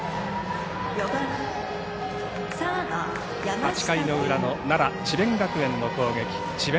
８回の裏の奈良、智弁学園の攻撃智弁